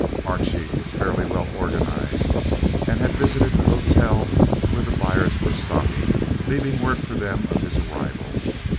Archie was fairly well "organized" and had visited the hotel where the buyers were stopping, leaving word for them of his arrival.